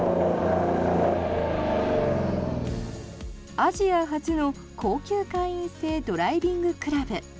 アジア初の高級会員制ドライビングクラブ。